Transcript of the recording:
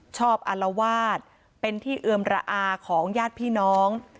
อารวาสเป็นที่เอือมระอาของญาติพี่น้อง